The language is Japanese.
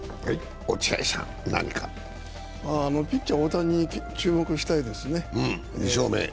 ピッチャー・大谷に注目したいですね。